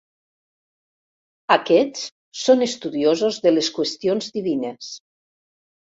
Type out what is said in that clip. Aquests són estudiosos de les qüestions divines.